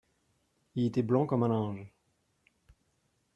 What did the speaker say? Il était blanc comme un linge.